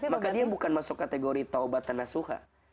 maka dia bukan masuk kategori taubat tanah suha